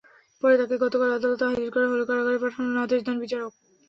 পরে তাঁকে গতকাল আদালতে হাজির করা হলে কারাগারে পাঠানোর আদেশ দেন বিচারক।